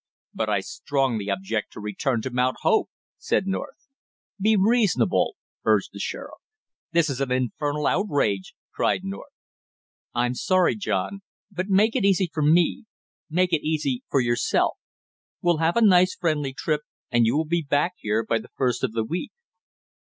"But I strongly object to return to Mount Hope!" said North. "Be reasonable " urged the sheriff. "This is an infernal outrage!" cried North. "I'm sorry, John, but make it easy for me, make it easy for yourself; we'll have a nice friendly trip and you will be back here by the first of the week."